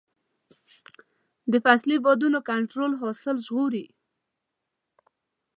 د فصلي بادونو کنټرول حاصل ژغوري.